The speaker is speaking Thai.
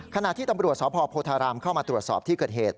ขณะที่ตำรวจสพโพธารามเข้ามาตรวจสอบที่เกิดเหตุ